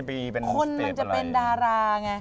คนมันจะเป็นดาราไง